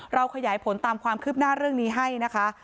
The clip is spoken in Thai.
ขยายผลตามความคืบหน้าเรื่องนี้ให้นะคะ